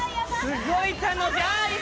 すごい楽しい。